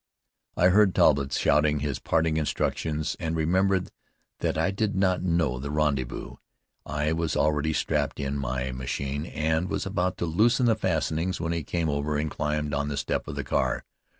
I heard Talbott shouting his parting instructions and remembered that I did not know the rendezvous. I was already strapped in my machine and was about to loosen the fastenings, when he came over and climbed on the step of the car.